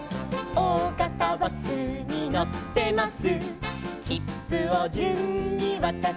「おおがたバスに乗ってます」